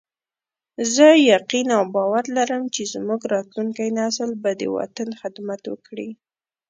زه یقین او باور لرم چې زموږ راتلونکی نسل به د وطن خدمت وکړي